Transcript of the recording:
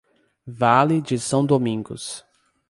Vale de São Domingos